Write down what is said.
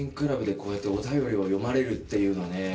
こうやってお便りを読まれるっていうのはね